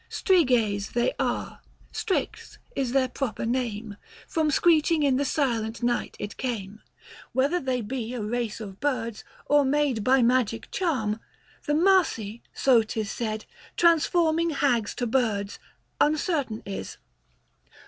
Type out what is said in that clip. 160 Striges they are ; Stryx is their proper name, From screeching in the silent night it came. $ Whether they be a race of birds, or made ' By magic charm — the Marsi, so 'tis said, Transforming hags to birds — uncertain is.